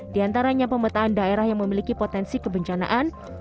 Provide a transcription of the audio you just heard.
di antaranya pemetaan daerah yang memiliki potensi kebencanaan